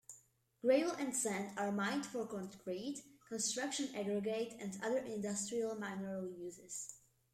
Gravel and sand are mined for concrete, construction aggregate and other industrial mineral uses.